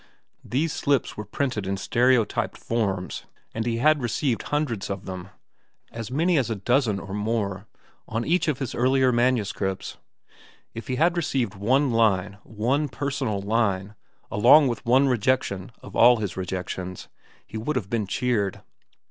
These slips were printed in stereotyped forms and he had received hundreds of them—as many as a dozen or more on each of his earlier manuscripts. If he had received one line, one personal line, along with one rejection of all his rejections, he would have been cheered.